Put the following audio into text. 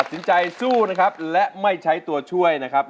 สินใจสู้นะครับและไม่ใช้ตัวช่วยนะครับ